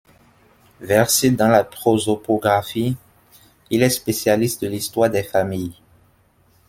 Versé dans la prosopographie, il est spécialiste de l'histoire des familles.